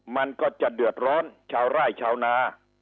มันก็จะเดือดร้อนชาวไร่ชาวนา